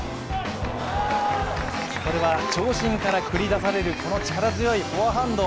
それは長身から繰り出されるこの力強いフォアハンド。